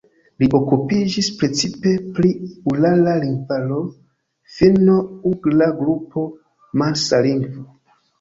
Li okupiĝis precipe pri Urala lingvaro, Finno-Ugra Grupo, Mansa lingvo.